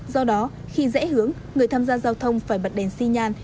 do đó khi dễ hướng người tham gia giao thông phải bật đèn xi nhan